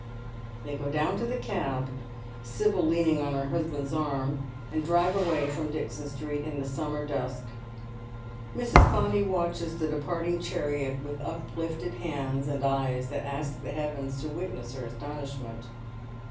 Tbey go down to the cab, Sibyl leaning on her husband's arm, and drive away from Dixon Street in the summer dusk. Mrs. Bonny watches the departing chariot with uplifted hands, %ni eyes that ask the heavens to witness her astonishment.